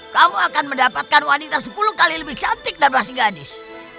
kamu akan mendapatkan wanita sepuluh kali lebih cantik dan masih gadis